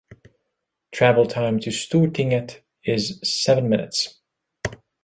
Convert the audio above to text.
Travel time to Stortinget is seven minutes.